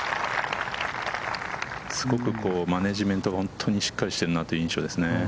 すごくマネジメントがしっかりしているなという印象ですね。